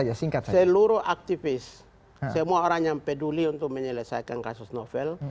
jadi gini seluruh aktivis semua orang yang peduli untuk menyelesaikan kasus novel